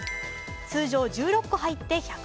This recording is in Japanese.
通常、１６個入って１１０円。